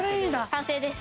完成です。